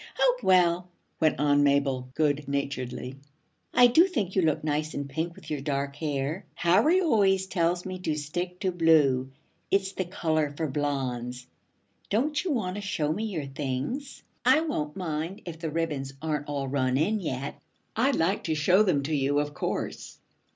'Oh, well,' went on Mabel good naturedly, 'I do think you look nice in pink with your dark hair. Harry always tells me to stick to blue. It's the color for blondes. Don't you want to show me your things? I won't mind if the ribbons aren't all run in yet.' 'I'd like to show them to you, of course.